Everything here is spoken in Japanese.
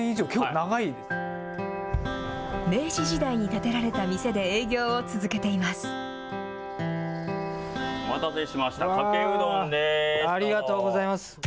明治時代に建てられた店でお待たせしましたありがとうございます。